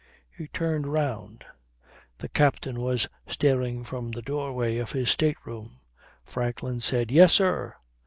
He turned round. The captain was staring from the doorway of his state room. Franklin said, "Yes, sir."